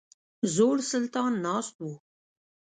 زوړ سلطان ناست وو.